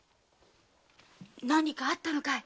何かあったのかい？